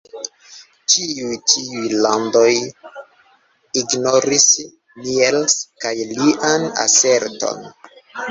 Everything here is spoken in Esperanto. Ĉiuj tiuj landoj ignoris Niels kaj lian aserton.